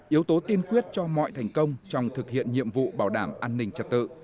yếu tố tiên quyết cho mọi thành công trong thực hiện nhiệm vụ bảo đảm an ninh trật tự